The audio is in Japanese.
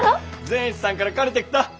善一さんから借りてきた！